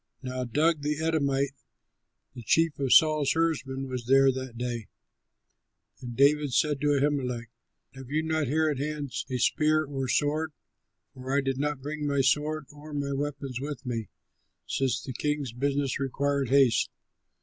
Now Doeg, the Edomite, the chief of Saul's herdsmen, was there that day. And David said to Ahimelech, "Have you not here at hand a spear or sword? For I did not bring my sword or my weapons with me, since the king's business required haste."